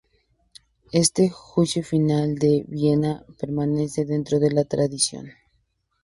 Este "Juicio Final" de Viena permanece dentro de la tradición.